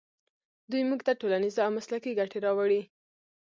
دوی موږ ته ټولنیزې او مسلکي ګټې راوړي.